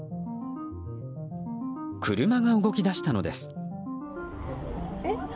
車が動き出したのです。